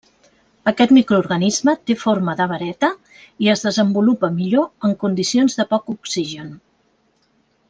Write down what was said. Aquest microorganisme té forma de vareta i es desenvolupa millor en condicions de poc oxigen.